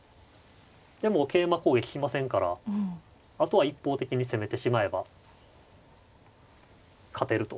でも桂馬攻撃利きませんからあとは一方的に攻めてしまえば勝てると。